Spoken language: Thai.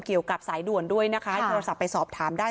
เกี่ยวกับสายด่วนด้วยนะคะให้โทรศัพท์ไปสอบถามได้